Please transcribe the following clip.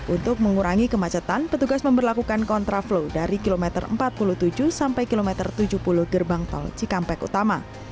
untuk mengurangi kemacetan petugas memperlakukan kontraflow dari kilometer empat puluh tujuh sampai kilometer tujuh puluh gerbang tol cikampek utama